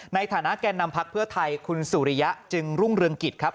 ในฐานะแก่นำพักเพื่อไทยคุณสุริยะจึงรุ่งเรืองกิจครับ